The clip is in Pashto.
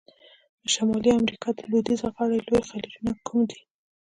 د شمالي امریکا د لویدیځه غاړي لوی خلیجونه کوم دي؟